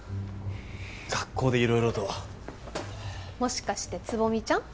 学校で色々ともしかして蕾未ちゃん？